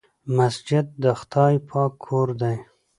مسجد د خدای پاک کور دی.